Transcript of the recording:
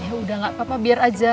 ya udah gak apa apa biar aja